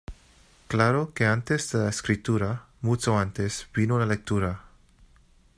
Claro que "antes de la escritura, mucho antes, vino la lectura.